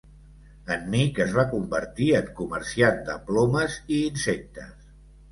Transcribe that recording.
En Meek es va convertir en comerciant de plomes i insectes.